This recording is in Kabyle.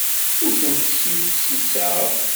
Ur tent-ssifsiseɣ.